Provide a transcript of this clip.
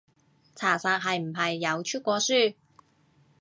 查實係唔係有出過書？